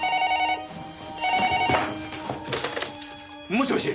もしもし！？